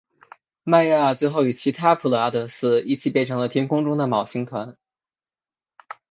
迈亚最后与其他普勒阿得斯一起变成了天空中的昴星团。